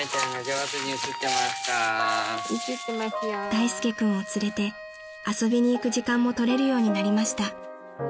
［大介君を連れて遊びに行く時間もとれるようになりました］